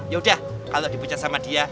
yaudah kalau dibuncang sama dia